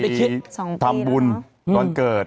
ไปทำบุญตอนเกิด